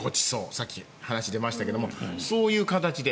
さっき話に出ましたけどそういう形で。